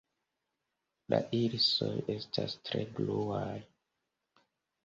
La irisoj estas tre bluaj.